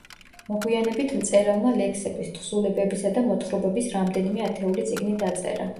მოგვიანებით მწერალმა ლექსების, თხზულებებისა და მოთხრობების რამდენიმე ათეული წიგნი დაწერა.